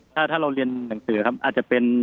ถ้าเราเรียนหนังสือครับอาจจะเป็น